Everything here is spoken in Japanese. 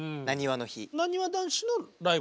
なにわ男子のライブ？